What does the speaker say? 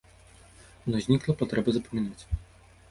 У нас знікла патрэба запамінаць.